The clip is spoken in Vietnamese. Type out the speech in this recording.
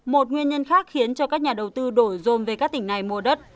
một nguyên nhân khác khiến cho các nhà đầu tư đổi dôm về các tỉnh này mua đất